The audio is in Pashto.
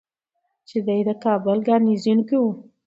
چې دی د کابل ګارنیزیون کې ؤ